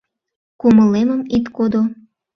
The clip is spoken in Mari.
Кумылемым ит кодо!